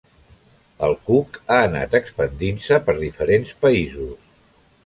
El cuc ha anat expandint-se per diferents països.